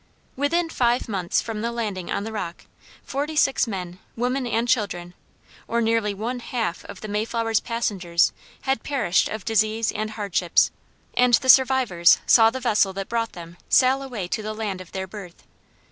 Within five months from the landing on the Rock, forty six men, women, and children, or nearly one half of the Mayflower's passengers had perished of disease and hardships, and the survivors saw the vessel that brought them sail away to the land of their birth.